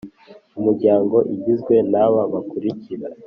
Umuryango Igizwe n aba bakurikira